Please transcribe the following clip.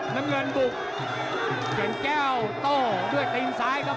น้ำเงินบุกเก่งแก้วโต้ด้วยตีนซ้ายครับ